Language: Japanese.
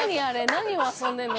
何を遊んでるの？